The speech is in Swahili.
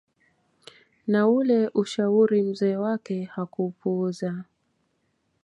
Na ule ushauri mzee wake hakuupuuza